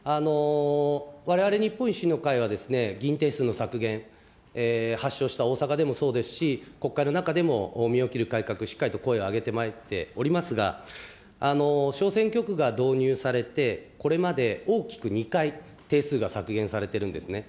われわれ日本維新の会は、議員定数の削減、発祥した大阪でもそうですし、そうですし、国会の中でも身を切る改革、しっかりと声を上げてまいっておりますが、小選挙区が導入されて、これまで大きく２回、定数が削減されてるんですね。